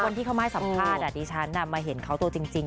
คนที่เขามาให้สัมภาษณ์ดิฉันมาเห็นเขาตัวจริง